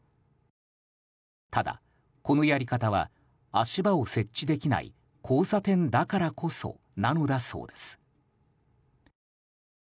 ただ、このやり方は足場を設置できない交差点だからこそなのだそうです。